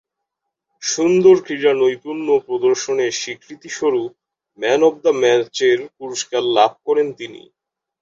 সুন্দর ক্রীড়ানৈপুণ্য প্রদর্শনের স্বীকৃতিস্বরূপ ম্যান অব দ্য ম্যাচের পুরস্কার লাভ করেন তিনি।